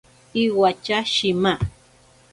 Iwatya shima.